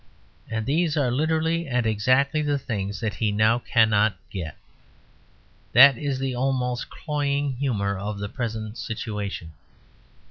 And these are literally and exactly the things that he now cannot get. That is the almost cloying humour of the present situation.